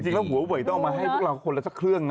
หัวเวยต้องเอามาให้พวกเราคนละสักเครื่องนะ